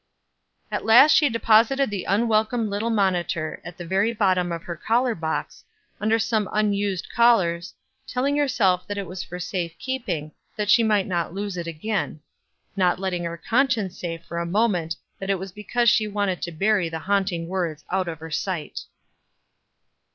At last she deposited the unwelcome little monitor at the very bottom of her collar box, under some unused collars, telling herself that it was for safe keeping, that she might not lose it again; not letting her conscience say for a moment that it was because she wanted to bury the haunting words out of her sight.